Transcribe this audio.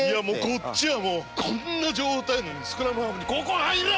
こっちはもうこんな状態なのにスクラムハーフに「ここ入れ！」